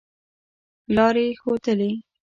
لاري ښودلې.